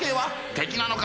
敵なのか？